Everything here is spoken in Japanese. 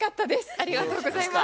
ありがとうございます。